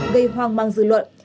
gây hoang mang dư luận